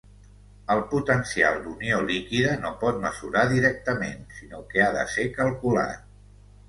El potencial d'unió líquida no pot mesurar directament, sinó que ha de ser calculat.